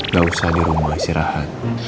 gak usah di rumah istirahat